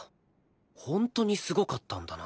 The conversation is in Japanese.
ホントにすごかったんだな